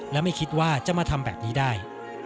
และไม่คิดว่าจะมาทำแบบนี้ได้